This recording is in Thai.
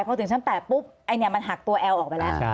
พอถึงชั้น๘ปุ๊บไอ้เนี่ยมันหักตัวแอลออกไปแล้ว